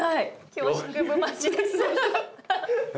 京式部待ちです。